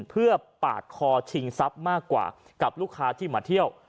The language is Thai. เพื่อปาดคอชิงทรัพย์มากกว่ากับลูกค้าที่มาเที่ยว